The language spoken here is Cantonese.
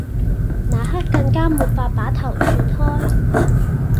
那刻更加沒法把頭轉開